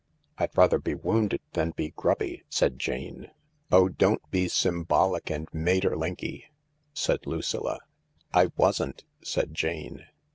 " I'd rather be wounded than be grubby," said Jane. " Oh, don't be symbolic and Maeterlincky/'said Lucilla. " I wasn't," said Jane.